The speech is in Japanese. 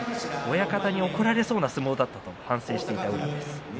親方に怒られそうな相撲だったと反省していました。